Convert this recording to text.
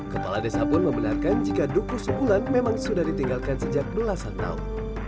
kepala desa pun membenarkan jika dukus ukulan memang sudah ditinggalkan sejak belasan tahun